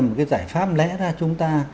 một cái giải pháp lẽ ra chúng ta